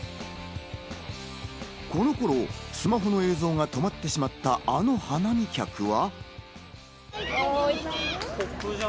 この頃、スマホの映像が止まってしまった、あの花見客は。